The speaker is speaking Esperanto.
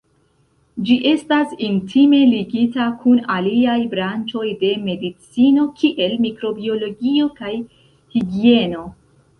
Ĝi estas intime ligita kun aliaj branĉoj de medicino, kiel mikrobiologio kaj higieno.